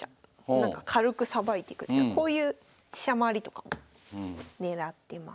なんか軽くさばいてくっていうかこういう飛車回りとかも狙ってます。